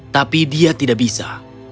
tapi dia tidak bisa